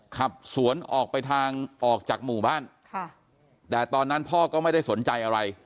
ขับสวนออกไปทางออกจากหมู่บ้านค่ะแต่ตอนนั้นพ่อก็ไม่ได้สนใจอะไร